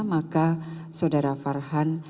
maka saudara farhan